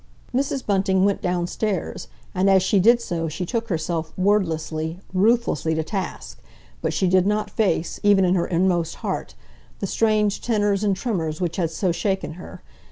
Mrs. Bunting went downstairs, and as she did so she took herself wordlessly, ruthlessly to task, but she did not face—even in her inmost heart—the strange tenors and tremors which had so shaken her.